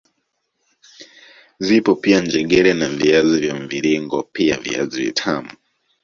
Zipo pia njegere na viazi vya mviringo pia viazi vitamu